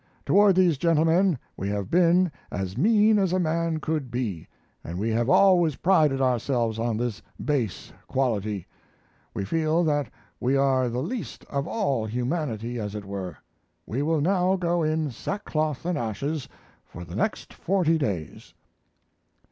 Toward these gentlemen we have been as mean as a man could be and we have always prided ourselves on this base quality. We feel that we are the least of all humanity, as it were. We will now go in sack cloth and ashes for the next forty days.